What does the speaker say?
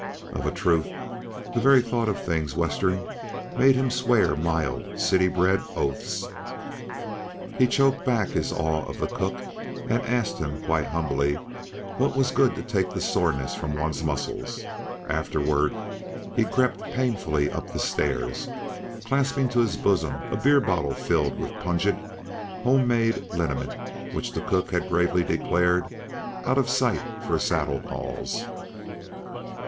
Of a truth, the very thought of things Western made him swear mild, city bred oaths. He choked back his awe of the cook and asked him, quite humbly, what was good to take the soreness from one's muscles; afterward he had crept painfully up the stairs, clasping to his bosom a beer bottle filled with pungent, home made liniment which the cook had gravely declared "out uh sight for saddle galls."